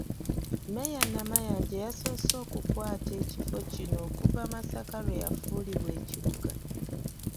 Mmeeya Namayanja y’asoose okukwata ekifo kino okuva Masaka lwe yafuulibwa ekibuga.